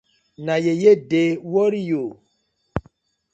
Na yeye dey worry you.